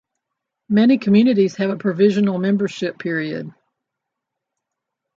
Many communities have a "provisional membership" period.